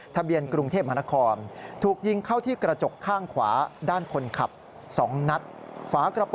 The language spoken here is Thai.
ทะเบียนกรุงเทพฯนคร